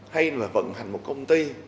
hay là vận hành một công ty